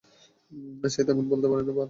সে তামিল বলতে পারে না, বাল।